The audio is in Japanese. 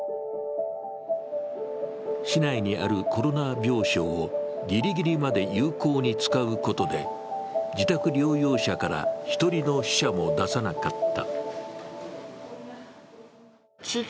市内にあるコロナ病床をぎりぎりまで有効に使うことで自宅療養者から１人の死者も出さなかった。